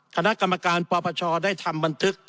คณะกรรมการปปชได้ทำบันทึก